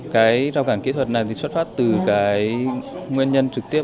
cái rào cản kỹ thuật này thì xuất phát từ cái nguyên nhân trực tiếp